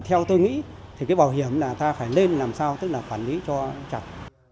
theo tôi nghĩ thì cái bảo hiểm là ta phải nên làm sao tức là quản lý cho chặt